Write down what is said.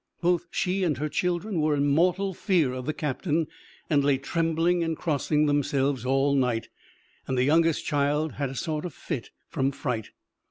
Both she and her children were in mortal fear of the captain, and lay trembling and crossing themselves all night, and the youngest child had a sort of fit from fright.